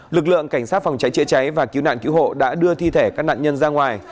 lực lượng cảnh sát phòng cháy chữa cháy và cứu nạn cứu hộ đã đưa thi thể các nạn nhân ra ngoài